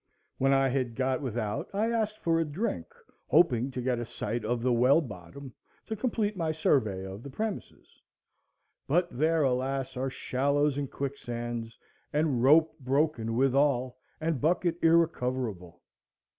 When I had got without I asked for a drink, hoping to get a sight of the well bottom, to complete my survey of the premises; but there, alas! are shallows and quicksands, and rope broken withal, and bucket irrecoverable.